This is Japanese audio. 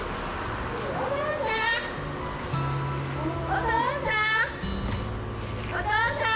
お父さん！